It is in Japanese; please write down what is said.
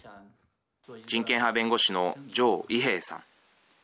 人権派弁護士の常い平さん。